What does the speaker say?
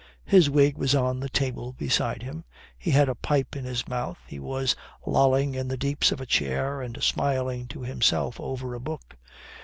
His wig was on the table beside him. He had a pipe in his mouth. He was lolling in the deeps of a chair and smiling to himself over a book.